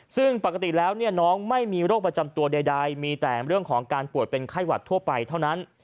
ซึ่งปกติแล้วน้องไม่มีโรคประจำตัวใดมีแต่เรื่องของการป่วยเป็นไข้หวัดทั่วไปเท่านั้น